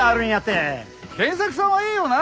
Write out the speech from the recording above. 賢作さんはいいよな。